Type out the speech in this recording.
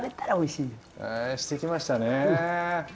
してきましたね。